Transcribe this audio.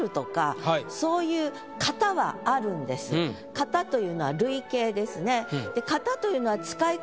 型というのは類型ですね。